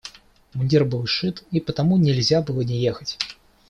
Мундир был сшит, и потому нельзя было не ехать.